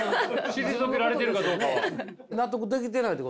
退けられてるかどうかは。